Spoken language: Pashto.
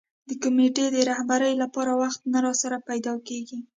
د کمېټې د رهبرۍ لپاره وخت نه راسره پیدا کېږي.